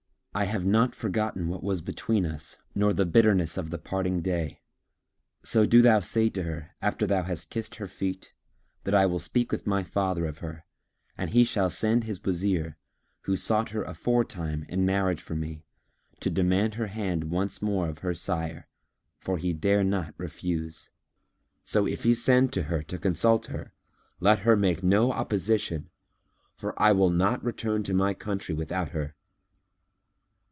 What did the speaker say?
I have not forgotten what was between us nor the bitterness of the parting day; so do thou say to her, after thou hast kissed her feet, that I will speak with my father of her, and he shall send his Wazir, who sought her aforetime in marriage for me, to demand her hand once more of her sire, for he dare not refuse. So, if he send to her to consult her, let her make no opposition; for I will not return to my country without her."